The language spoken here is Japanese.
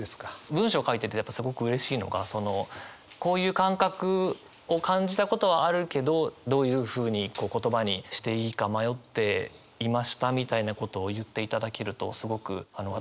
文章を書いててやっぱすごくうれしいのがそのこういう感覚を感じたことはあるけどどういうふうに言葉にしていいか迷っていましたみたいなことを言っていただけるとすごく私もうれしくなるので。